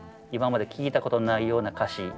今まで聴いたことのないような歌詞